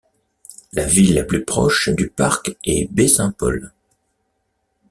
La ville la plus proche du parc est Baie-Saint-Paul.